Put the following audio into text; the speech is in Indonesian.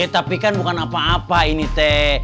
tapi kan bukan apa apa ini teh